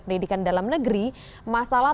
pendidikan dalam negeri masalah